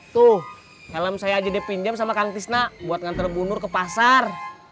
tuh helm saya aja dipinjam sama kang tisnak buat ngantre bunur ke pasar